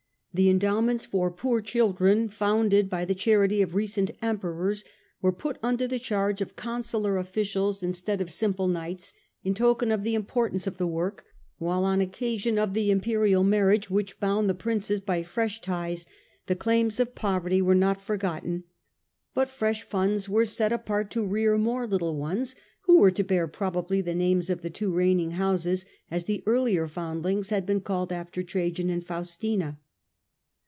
The charitable endowments for poor children founded by the foundations, charity of recent Emperors were put under the charge of consulai officials instead of simple knights, in token of the importance of the work, while on occasion of the imperial marriage, which bound the princes by fresh ties, the claims of poverty were not forgotten, but fresh funds were set apart to rear more little ones, who were to bear probably the names of the two reigning houses, as the earlier foundlings had been called after Trajan and Faustina.